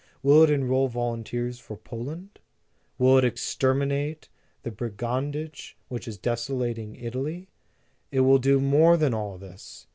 Will it enroll volunteers for Poland? Will it exterminate the brigandage which is desola ting Italy ?... It will do more than all this.